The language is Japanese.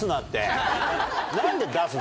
何で出すの？